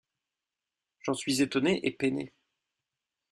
J'en suis étonné et peiné.